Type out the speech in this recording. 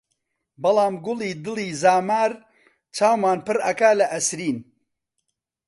بەڵام کوڵی دڵی زامار، چاومان پڕ ئەکا لە ئەسرین!